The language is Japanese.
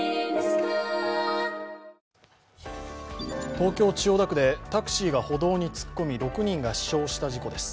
東京・千代田区でタクシーが歩道に突っ込み６人が死傷した事故です。